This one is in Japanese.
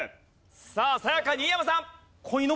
さあさや香新山さん。